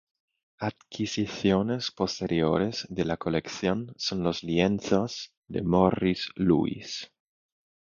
Adquisiciones posteriores de la colección son los lienzos de Morris Louis.